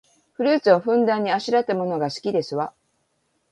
フルーツをふんだんにあしらったものが好きですわ